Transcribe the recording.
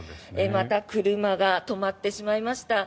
また車が止まってしまいました。